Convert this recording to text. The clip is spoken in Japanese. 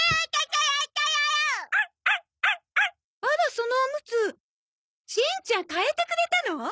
あらそのオムツしんちゃん替えてくれたの？